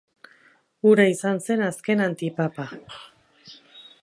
Hura izan zen azken antipapa.